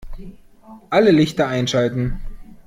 Alle Lichter einschalten